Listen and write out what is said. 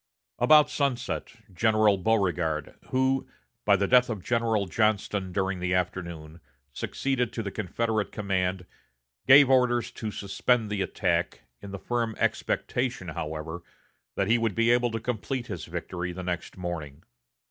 About sunset, General Beauregard, who, by the death of General Johnston during the afternoon, succeeded to the Confederate command, gave orders to suspend the attack, in the firm expectation however, that he would be able to complete his victory the next morning.